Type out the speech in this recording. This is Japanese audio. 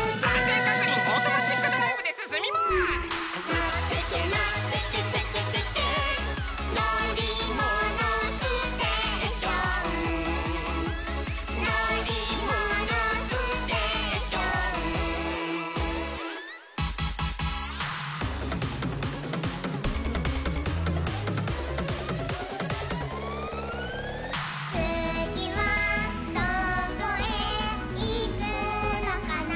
「のってけのってけテケテケ」「のりものステーション」「のりものステーション」「つぎはどこへいくのかな」